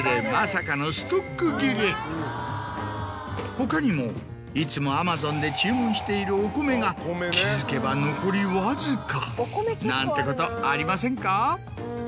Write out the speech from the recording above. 他にもいつもＡｍａｚｏｎで注文しているお米が気付けば残りわずかなんてことありませんか？